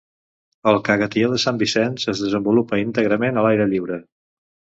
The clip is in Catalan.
El Caga Tió de Sant Vicenç es desenvolupa íntegrament a l'aire lliure.